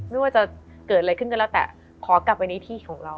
ไม่ว่าจะเกิดอะไรขึ้นก็แล้วแต่ขอกลับไปในที่ของเรา